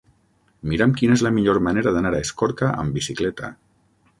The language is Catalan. Mira'm quina és la millor manera d'anar a Escorca amb bicicleta.